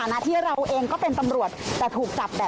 ไม่เคยเก็บแล้วรู้ว่านะ